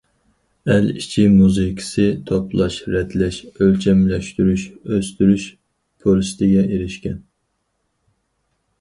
ئەل ئىچى مۇزىكىسى توپلاش، رەتلەش، ئۆلچەملەشتۈرۈش، ئۆستۈرۈش پۇرسىتىگە ئېرىشكەن.